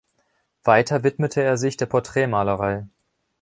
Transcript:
Weiter widmete er sich der Porträtmalerei.